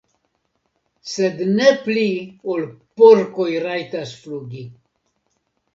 sed ne pli ol porkoj rajtas flugi.